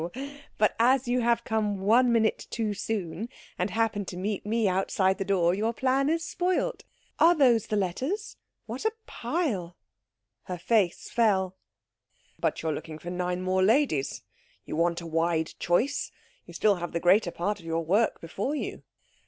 But as you have come one minute too soon, and happened to meet me outside the door, your plan is spoilt. Are those the letters? What a pile!" Her face fell. "But you are looking for nine more ladies. You want a wide choice. You have still the greater part of your work before you."